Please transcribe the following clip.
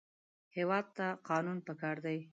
هېواد ته قانون پکار دی